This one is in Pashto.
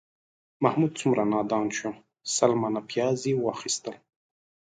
محمود څومره نادان شو، سل منه پیاز یې واخیستل